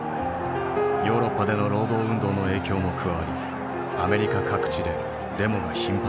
ヨーロッパでの労働運動の影響も加わりアメリカ各地でデモが頻発していた。